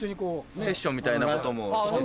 セッションみたいなことも。